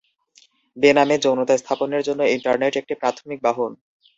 বেনামে যৌনতা স্থাপনের জন্য ইন্টারনেট একটি প্রাথমিক বাহন।